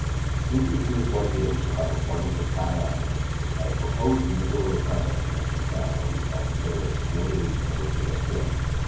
Since it appears likely that we shall have abundance of time on our hands, I have proposed to M. Letourneur and his son that we shall together explore the reef on which we are stranded.